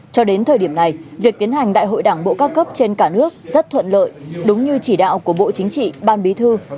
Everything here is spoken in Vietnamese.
cho đến thời điểm này việc tiến hành đại hội đảng bộ cao cấp trên cả nước rất thuận lợi đúng như chỉ đạo của bộ chính trị ban bí thư